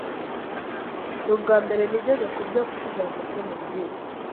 Nubwambere nigeze kurya kuki zaguzwe mububiko.